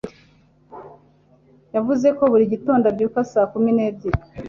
Yavuze ko buri gitondo abyuka saa kumi n'ebyiri.